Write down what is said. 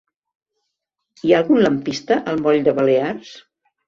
Hi ha algun lampista al moll de Balears?